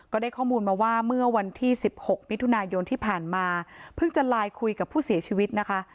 ก็ได้ข้อมูลมาว่าเมื่อวันที่๑๖มิถุนายนที่ผ่านมาเพิ่งจะไลน์คุยกับผู้เสียชีวิตนะคะ